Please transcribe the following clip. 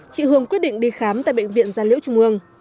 chị hương quyết định đi khám tại bệnh viện gia liễu trung ương